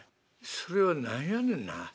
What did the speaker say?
それを何やねんな。